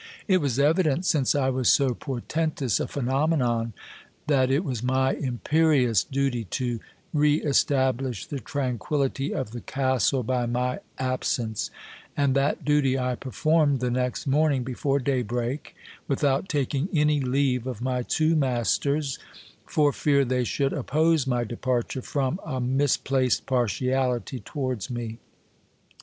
It was evident, since I was so portentous a phenomenon, that it was my imperious duty to re establish the tranquillity of" the castle by my absence ; and that duty I performed the next morning before daybreak, without taking any leave of my two masters, for fear they should oppose my departure from a misplaced partiality towards me.